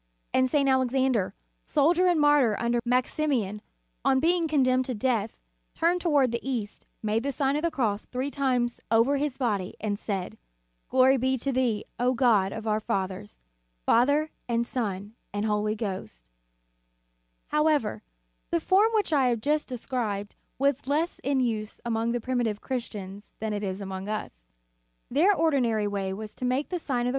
"J And St. Alexander, soldier and martyr under Maximian, on being condemned to death, turned toward the east, made the Sign of the Cross three times over his body and said: "Glory be to thee, O God of our fathers, Father and Son and Holy Ghost" However, the form which I have just described was less in use among the primitive Christians than it is among us. Their ordi nary way was to make the Sign of the.